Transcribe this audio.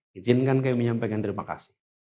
dijinkan saya menyampaikan terima kasih